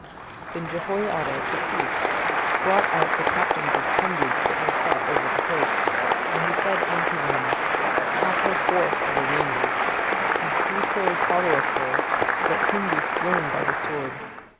"Then Jehoiada the priest brought out the captains of hundreds that were set over the host, and said unto them, Have her forth of the ranges: and whoso followeth her, let him be slain by the sword.